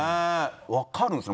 わかるんですよ。